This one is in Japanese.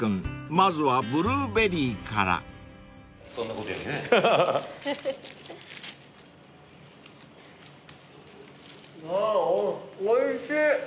まずはブルーベリーから］わおいしい。